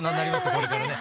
これからね。